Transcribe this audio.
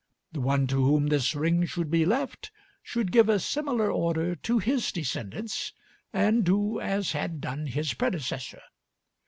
The one to whom this ring should be left should give a similar order to his descendants, and do as had done his predecessor.